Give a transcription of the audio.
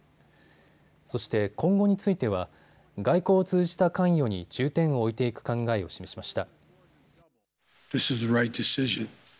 そして、今後については外交を通じた関与に重点を置いていく考えを示しました。